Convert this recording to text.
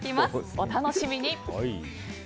お楽しみに！